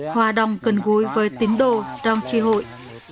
hòa đồng gần gối với tín đồ trong tri hội